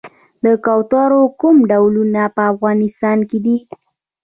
د کوترو کوم ډولونه په افغانستان کې دي؟